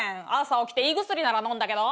「朝起きて胃薬なら飲んだけど」